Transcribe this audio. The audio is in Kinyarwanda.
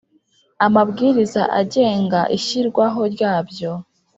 Amabwiriza agenga ishyirwaho ryabyo